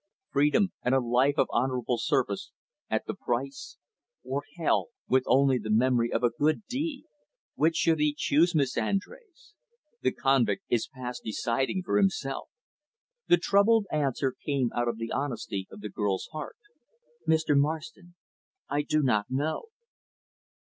Freedom and a life of honorable service, at the price; or hell, with only the memory of a good deed which should he choose, Miss Andrés? The convict is past deciding for himself." The troubled answer came out of the honesty of the girl's heart; "Mr. Marston, I do not know."